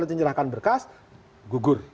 menyerahkan berkas gugur